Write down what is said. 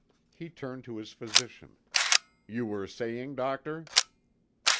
He turned to his physician, "You were saying, Doctor?"